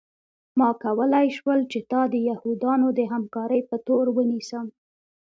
ما کولی شول چې تا د یهودانو د همکارۍ په تور ونیسم